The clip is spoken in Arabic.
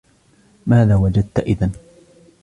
ماذا وجدت إذا؟